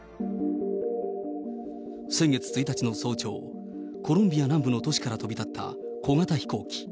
先月１日の早朝、コロンビア南部の都市から飛び立った小型飛行機。